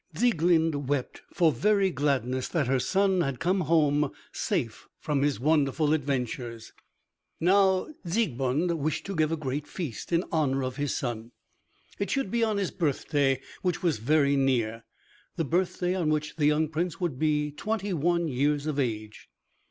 Sieglinde wept for very gladness that her son had come home safe from his wonderful adventures. Now Siegmund wished to give a great feast in honor of his son. It should be on his birthday which was very near, the birthday on which the young Prince would be twenty one years of age.